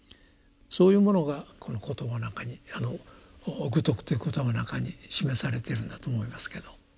そういうものがこの言葉の中に「愚禿」という言葉の中に示されているんだと思いますけど。